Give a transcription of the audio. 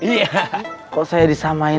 iya kok saya disamain